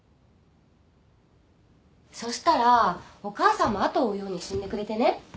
そしたらお母さんも後を追うように死んでくれてね。